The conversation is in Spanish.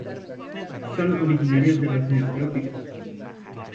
Son originarios de los Neotrópicos.